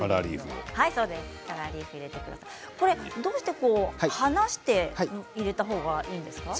どうして離して入れた方がいいんですか。